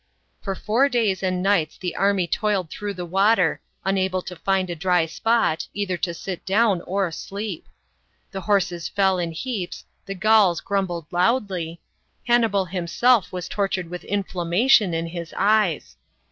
For four days and nights the Lrmy toiled through the water, unable to find a dry spot, either to sit down or sleep. The horses fell in heaps, the Gauls grumbled loudly, Hannibal himself was tor tured with inflammation in his eyes.